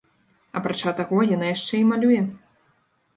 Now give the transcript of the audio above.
Апрача таго, яна яшчэ і малюе.